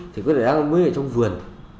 thì có thể đang ở trong vườn